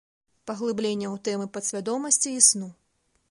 Паглыбленне ў тэмы падсвядомасці і сну.